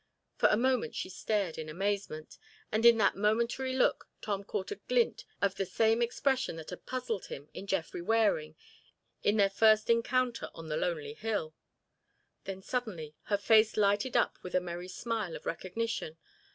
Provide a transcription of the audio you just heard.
For a moment she stared in amazement and in that momentary look Tom caught a glint of the same expression that had puzzled him in Jeffrey Waring in their first encounter on the lonely hill. Then suddenly her face lighted up with a merry smile of recognition.